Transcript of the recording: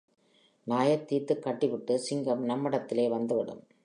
நாயைத் தீர்த்துக் கட்டிவிட்டு, சிங்கம் நம்மிடத்திலே வந்துவிடும்.